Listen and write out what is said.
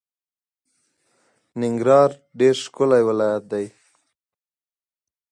It drains into the Sacramento River.